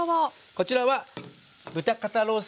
こちらは豚肩ロース肉。